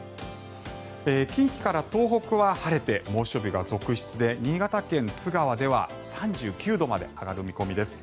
近畿から東北は晴れて猛暑日が続出で新潟県津川では３９度まで上がる見込みです。